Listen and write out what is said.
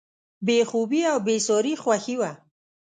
بې خوبي او بېساري خوښي وه.